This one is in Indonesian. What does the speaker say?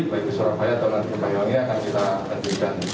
baik di surabaya atau nanti di bayongi akan kita ketikkan